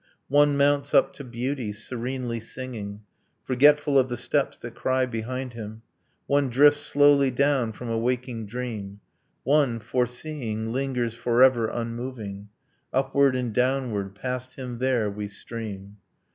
One mounts up to beauty, serenely singing, Forgetful of the steps that cry behind him; One drifts slowly down from a waking dream. One, foreseeing, lingers forever unmoving ... Upward and downward, past him there, we stream.